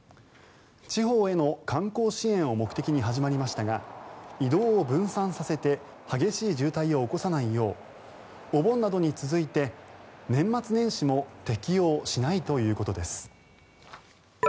地方への観光支援を目的に始まりましたが移動を分散させて激しい渋滞を起こさないようお盆などに続いて年末年始も適用しないということです。